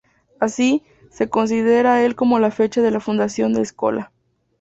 Así, se considera el como la fecha de la fundación de Eskola.